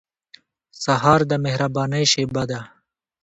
سهار د مهربانۍ شېبه ده.